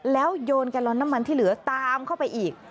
แล้วโยนแกลลอนน้ำมันที่เหลือตามเข้าไปอีก